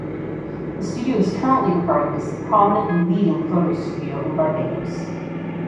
The studio is currently regarded as the prominent and leading photo studio in Barbados.